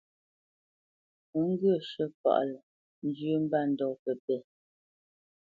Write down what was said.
Ó ŋgyə̂ shə̂ páʼ lâ njyə́ mbândɔ̂ pə́pɛ̂.